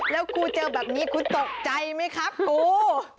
แล้วกูเจอแบบนี้คุณตกใจไหมครับกู